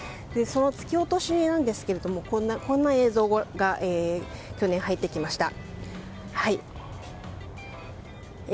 その突き落としなんですがこんな映像が去年、入ってきました。